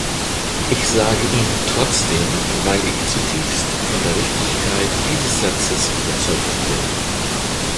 Ich sage ihn trotzdem, weil ich zutiefst von der Richtigkeit dieses Satzes überzeugt bin.